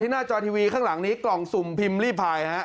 หน้าจอทีวีข้างหลังนี้กล่องสุ่มพิมพ์ลี่พายฮะ